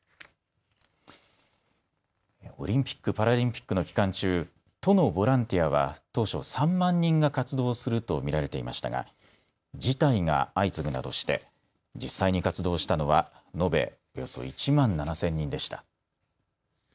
オリンピック・パラリンピックの期間中、都のボランティアは当初３万人が活動すると見られていましたが辞退が相次ぐなどして実際に活動したのは延べおよそ１万７０００人でした。